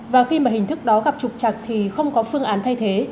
và khi mà hình thức đó gặp trục chặt thì không có phương án thay thế